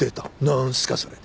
「何すかそれ？」